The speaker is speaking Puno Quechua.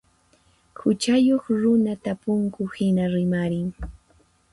Huchayuq runa tapunku hina rimarin.